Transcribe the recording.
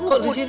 kok di sini